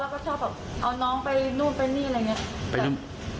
แล้วก็ชอบเอาน้องไปนู่นไปนี่อะไรงี้